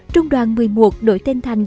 trung đoàn một mươi một đổi tên thành